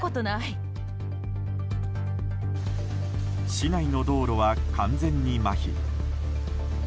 市内の道路は完全にまひ。